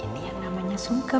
ini yang namanya sungkem